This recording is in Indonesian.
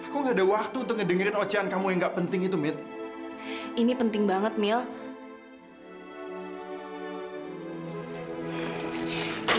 mudah mudahan dengan ini kamu gak akan ngecap kocok matre lagi